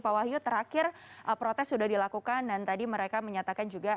pak wahyu terakhir protes sudah dilakukan dan tadi mereka menyatakan juga